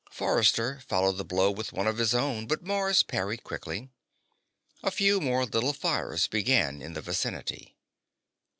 Forrester followed the blow with one of his own, but Mars parried quickly. A few more little fires began in the vicinity.